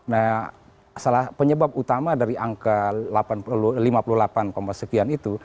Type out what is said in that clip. nah salah penyebab utama dari angka lima puluh delapan sekian itu